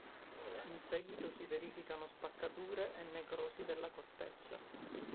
In seguito si verificano spaccature e necrosi della corteccia.